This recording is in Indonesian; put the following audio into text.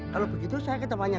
kalau begitu saya ketemanya